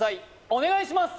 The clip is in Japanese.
お願いします